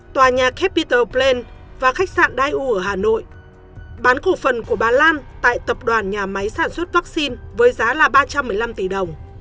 tòa nhà capital plan và khách sạn daiu ở hà nội bán cổ phần của bà lan tại tập đoàn nhà máy sản xuất vaccine với giá là ba trăm một mươi năm tỷ đồng